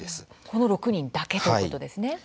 この６人だけということですね。